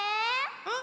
うん？